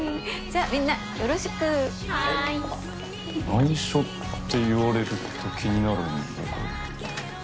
ないしょって言われると気になるんだけど。